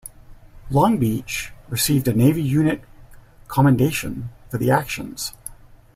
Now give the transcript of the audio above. "Long Beach" received a Navy Unit Commendation for the actions.